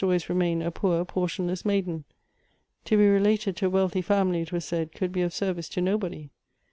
always remain a poor portionless maiden. To be related to a wealthy family, it was said, could be of service to nobody.